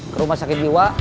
ke rumah sakit jiwa